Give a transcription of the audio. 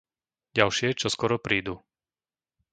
Ďalšie čoskoro prídu.